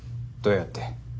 どうやって？